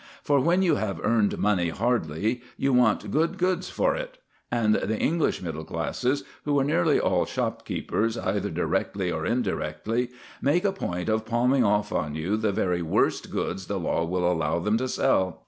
For when you have earned money hardly, you want good goods for it; and the English middle classes, who are nearly all shopkeepers, either directly or indirectly, make a point of palming off on you the very worst goods the law will allow them to sell.